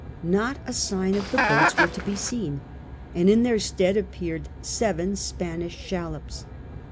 Not a sign of the boats was to be seen, and in their stead appeared seven Spanish shallops.